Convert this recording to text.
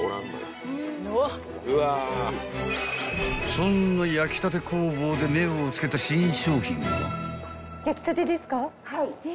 ［そんな焼きたて工房で目を付けた新商品は］